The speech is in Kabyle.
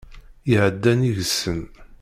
Iɛedda nnig-sen.